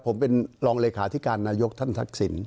ผมเป็นรองเลขาธิการนายกท่านทักษิณ